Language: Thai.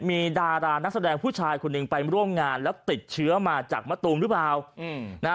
มีดารานักแสดงผู้ชายคนหนึ่งไปร่วมงานแล้วติดเชื้อมาจากมะตูมหรือเปล่า